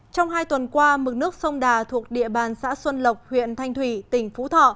trong hai tuần qua mực nước sông đà thuộc địa bàn xã xuân lộc huyện thanh thủy tỉnh phú thọ